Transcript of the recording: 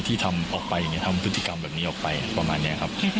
ที่ทำออกไปอย่างนี้ทำพฤติกรรมแบบนี้ออกไปประมาณนี้ครับ